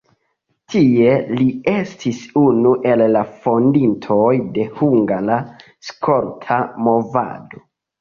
Tie li estis unu el la fondintoj de hungara skolta movado.